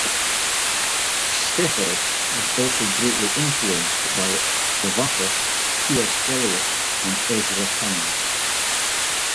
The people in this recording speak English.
Seferis was also greatly influenced by Kavafis, T. S. Eliot and Ezra Pound.